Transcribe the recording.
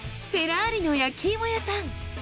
フェラーリの焼き芋屋さん。